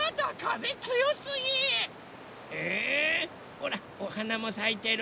ほらおはなもさいてる。